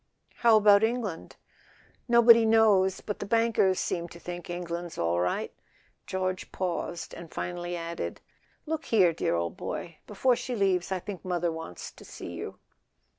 "How about England?" "Nobody knows; but the bankers seem to think England's all right." George paused, and finally added: "Look here, dear old boy—before she leaves I think mother wants to see you."